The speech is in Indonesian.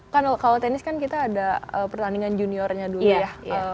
kan kalau tenis kan kita ada pertandingan juniornya dulu ya